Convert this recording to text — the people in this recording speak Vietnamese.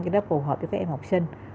cho nó phù hợp cho các em học sinh